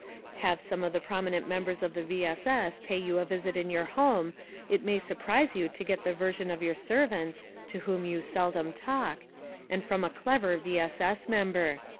Have some of the prominent mxcmbers of the V. S. S. pay you a visit in your home it may surprise you to get the version of your servants (to whom you seldom talk) and from a clever V. S. S. member.